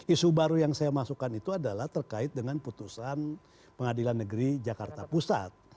isu baru yang saya masukkan itu adalah terkait dengan putusan pengadilan negeri jakarta pusat